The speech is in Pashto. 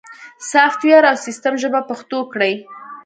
سافت ویر او سیستم ژبه پښتو کړئ